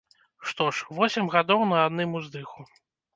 Што ж, восем гадоў на адным уздыху!